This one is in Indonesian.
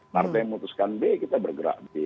partai memutuskan b kita bergerak b